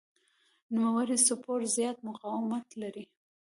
نوموړی سپور زیات مقاومت لري.